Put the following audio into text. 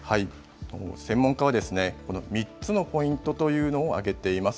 専門家は、この３つのポイントというのを挙げています。